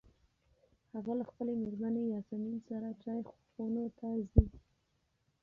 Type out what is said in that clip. هغه له خپلې مېرمنې یاسمین سره چای خونو ته ځي.